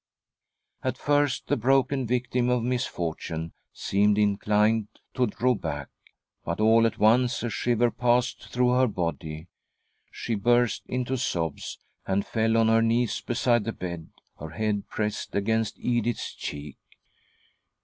" At first the broken victim of misfortune seemed inclined to draw back, but all at once a shiver passed through her body ; she burst into sobs, and fell on her knees beside the bed, her head pressed against Edith's cheek.